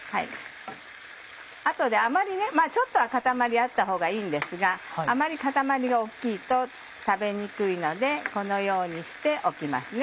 ちょっとは塊あったほうがいいんですがあまり塊が大きいと食べにくいのでこのようにしておきますね。